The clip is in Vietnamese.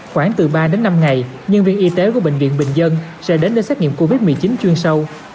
khoảng từ ba đến năm ngày nhân viên y tế của bệnh viện bình dân sẽ đến để xét nghiệm covid một mươi chín chuyên sâu